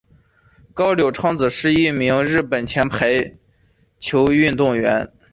高柳昌子是一名日本前排球运动员。